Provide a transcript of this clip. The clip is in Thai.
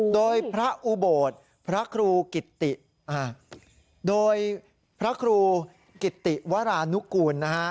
โดยพระอุโบสถพระครูกิติโดยพระครูกิติวรานุกูลนะฮะ